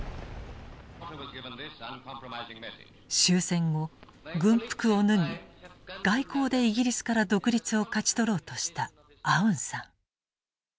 終戦後軍服を脱ぎ外交でイギリスから独立を勝ち取ろうとしたアウンサン。